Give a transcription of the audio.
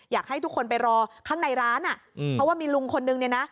อยากให้ทุกคนไปรอข้างในร้านอ่ะเพราะว่ามีลุงคนนึงเนี่ยนะ